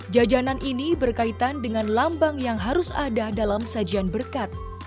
jajanan ini berkaitan dengan lambang yang harus ada dalam sajian berkat